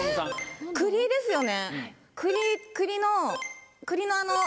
栗ですよね。